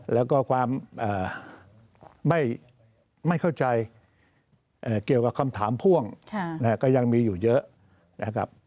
แล้วก็ความไม่เข้าใจเกี่ยวกับคำถามพ่วงก็ยังมีอยู่เยอะนะครับ